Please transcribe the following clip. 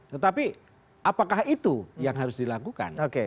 tetapi apakah itu yang harus dilakukan